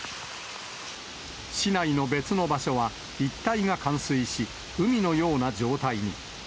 市内の別の場所は一帯が冠水し、海のような状態に。